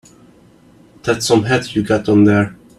That's some hat you got on there.